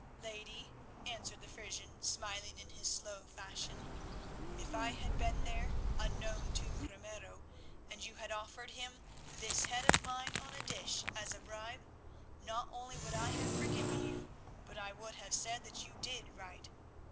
"Lady," answered the Frisian, smiling in his slow fashion, "if I had been there unknown to Ramiro, and you had offered him this head of mine on a dish as a bribe, not only would I have forgiven you but I would have said that you did right.